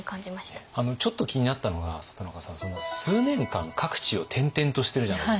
ちょっと気になったのが里中さん数年間各地を転々としてるじゃないですか。